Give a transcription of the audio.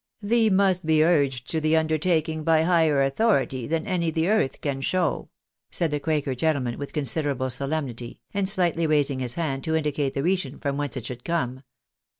" Thee must be urged to the undertaking by higher authority than any the earth can show," said the quaker gentleman with considerable solemnity, and slightly raising his hand to indicate the region fromi whence it should come.